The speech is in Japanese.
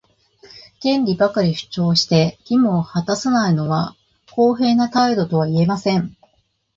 権利ばかり主張して、義務を果たさないのは公平な態度とは言えません。